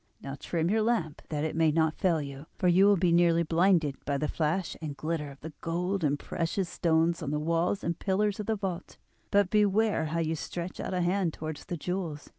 Now trim your lamp that it may not fail you, for you will be nearly blinded by the flash and glitter of the gold and precious stones on the walls and pillars of the vault; but beware how you stretch out a hand towards the jewels!